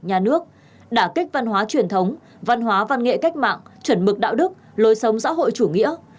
nhà nước đà kích văn hóa truyền thống văn hóa văn nghệ cách mạng chuẩn mực đạo đức lối sống xã hội chủ nghĩa